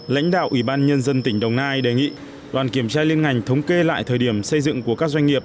lãnh đạo ubnd tỉnh đồng nai đề nghị đoàn kiểm tra liên ngành thống kê lại thời điểm xây dựng của các doanh nghiệp